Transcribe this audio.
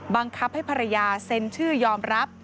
บังคับให้ภรรยาเซ็นชื่อยอมรับ